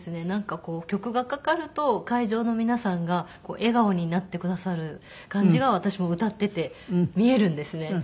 なんか曲がかかると会場の皆さんが笑顔になってくださる感じが私も歌ってて見えるんですね。